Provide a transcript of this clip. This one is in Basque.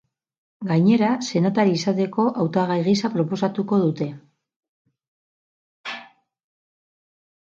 Gainera, senatari izateko hautagai gisa proposatuko dute.